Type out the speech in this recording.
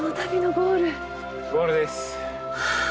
ゴールです。